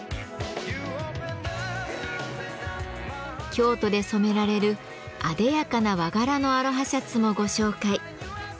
京都で染められるあでやかな和柄のアロハシャツもご紹介。